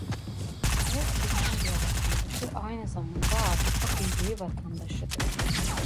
Her Finlandiya vatandaşı aynı zamanda Avrupa Birliği vatandaşıdır.